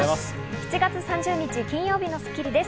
７月３０日、金曜日の『スッキリ』です。